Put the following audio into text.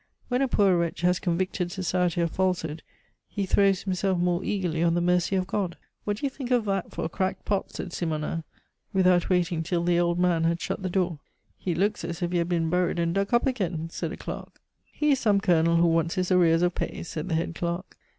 When a poor wretch has convicted Society of falsehood, he throws himself more eagerly on the mercy of God. "What do you think of that for a cracked pot?" said Simonnin, without waiting till the old man had shut the door. "He looks as if he had been buried and dug up again," said a clerk. "He is some colonel who wants his arrears of pay," said the head clerk.